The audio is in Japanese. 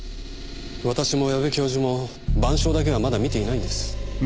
私も矢部教授も『晩鐘』だけはまだ見ていないんです。